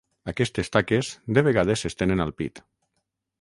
Aquestes taques de vegades s'estenen al pit.